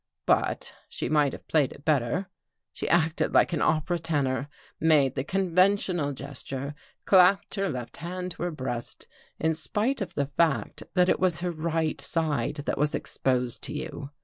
But she might have played it better. She acted like an opera tenor — made the conventional gesture — clapped her left hand to her breast, in spite of the fact that it was her right side that was exposed to you.